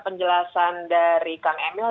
penjelasan dari kang emil